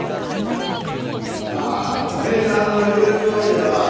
ああおめえさんの言うとおりだわ。